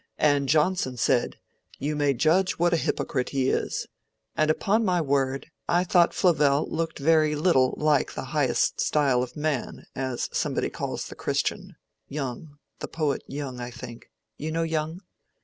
And Johnson said, 'You may judge what a hypo_crite_ he is.' And upon my word, I thought Flavell looked very little like 'the highest style of man'—as somebody calls the Christian—Young, the poet Young, I think—you know Young?